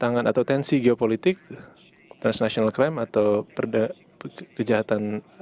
yang terbesar penyelesaian ekonomi yang lebih kuat dan inklusif terkait dengan pemerintah sesehat écritis